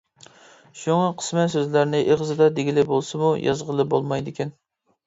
شۇڭا، قىسمەن سۆزلەرنى ئېغىزدا دېگىلى بولسىمۇ، يازغىلى بولمايدىكەن.